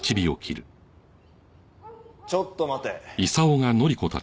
ちょっと待て。